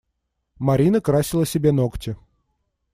Марина красила себе ногти.